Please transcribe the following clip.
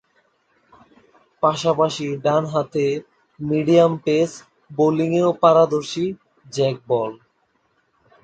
পাশাপাশি ডানহাতে medium pace বোলিংয়েও পারদর্শী জ্যাক বল।